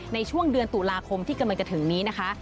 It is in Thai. ในช่วงเดือนตุลาคมที่กำลังจะถึงนี้นะคะ